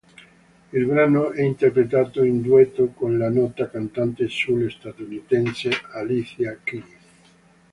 Il brano è interpretato in duetto con la nota cantante soul statunitense Alicia Keys.